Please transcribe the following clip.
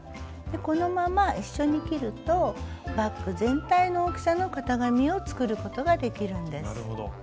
このまま一緒に切るとバッグ全体の大きさの型紙を作ることができるんです。